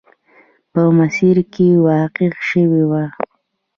په مسیر کې واقع شوې وه.